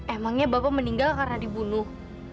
emangnya bapak meninggal karena dibunuh